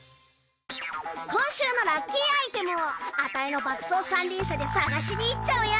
今週のラッキーアイテムをアタイの爆走三輪車で探しに行っちゃうよ！